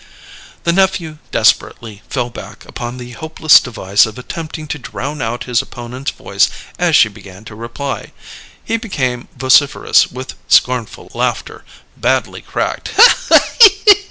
The nephew desperately fell back upon the hopeless device of attempting to drown out his opponent's voice as she began to reply. He became vociferous with scornful laughter, badly cracked.